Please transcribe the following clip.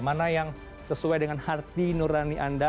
mana yang sesuai dengan hati nurani anda